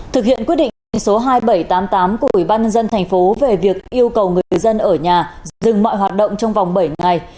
thực hiện quyết định số hai nghìn bảy trăm tám mươi tám của ubnd tp về việc yêu cầu người dân ở nhà dừng mọi hoạt động trong vòng bảy ngày